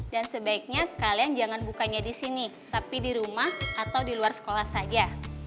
dan sebaiknya kalian jangan bukanya di sini tapi di rumah atau di luar sekolah saja